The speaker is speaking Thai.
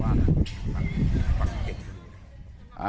บางคนที่เราตาว่า